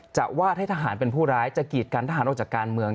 วาดให้ทหารเป็นผู้ร้ายจะกีดกันทหารออกจากการเมือง